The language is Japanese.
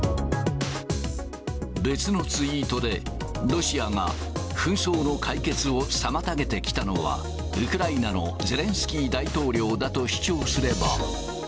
別のツイートで、ロシアが紛争の解決を妨げてきたのは、ウクライナのゼレンスキー大統領だと主張すれば。